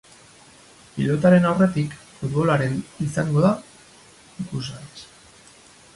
Pilotaren aurretik, futbolaren izango da ikusgai.